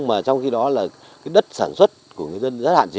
mà trong khi đó là đất sản xuất của người dân